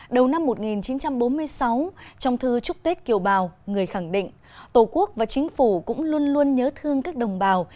đầu năm một nghìn chín trăm bốn mươi sáu trong thư chúc tết kiều bào người khẳng định tổ quốc và chính phủ cũng luôn luôn nhớ thương các đồng bào